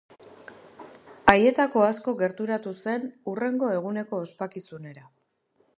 Haietako asko gerturatu zen hurrengo eguneko ospakizunera.